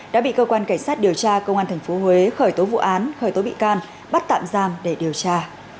đã bị cơ quan cảnh sát điều tra công an tp huế khởi tố vụ án khởi tố bị can bắt tạm giam để điều tra